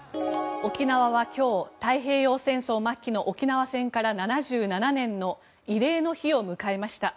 沖縄は今日、太平洋戦争末期の沖縄戦から７７年の慰霊の日を迎えました。